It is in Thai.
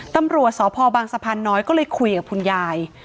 ตำรวจสพบังสะพานน้อยก็เลยคุยกับคุณยาย